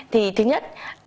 thì thứ nhất